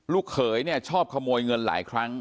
เขยเนี่ยชอบขโมยเงินหลายครั้ง